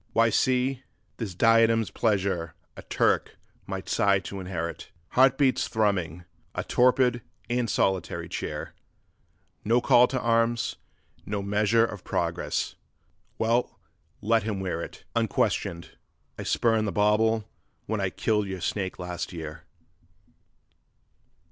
'Why, see! this diadem's pleasure a Turk might sigh to inherit, Heart beats thrumming; a torpid and solitary cheer; No call to arms, no measure of progress! Well, let him wear it Unquestioned ... I spurned the bauble when I killed your snake last year.